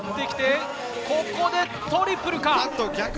ここでトリプルか？